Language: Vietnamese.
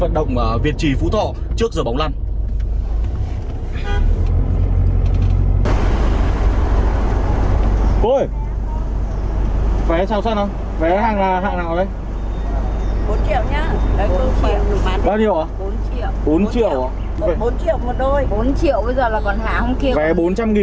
a ba triệu rưỡi thôi